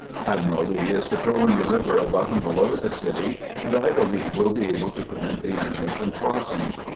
Admiral Lee is patrolhng the river above and below the city, and, I be heve, will be able to prevent the enemy from crossing.